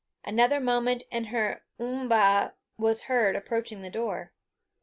Another moment, and her mba a was heard approaching the door.